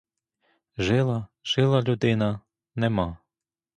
Жила, жила людина, — нема!